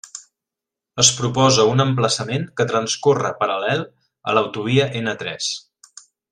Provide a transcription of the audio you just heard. Es proposa un emplaçament que transcorre paral·lel a l'autovia N tres.